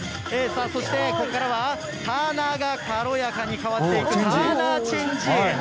さあ、そしてここからはターナーが軽やかに変わっていく、ターナーチェンジ。